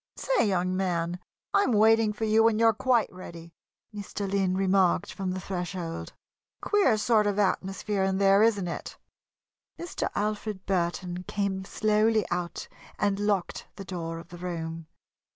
"Say, young man, I am waiting for you when you're quite ready," Mr. Lynn remarked from the threshold. "Queer sort of atmosphere in there, isn't it?" Mr. Alfred Burton came slowly out and locked the door of the room.